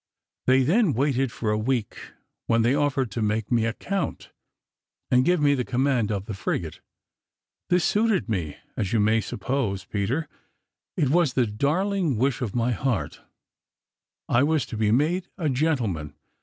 They then waited for a week, when they offered to make me a Count and give me the command of the frigate. This suited me, as you may suppose, Peter; it was the darling wish of my heart I was to be made a gentleman.